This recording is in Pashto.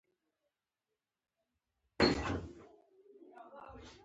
هغه شرور غوښتل چې کارګران په شوروي عسکرو ووژني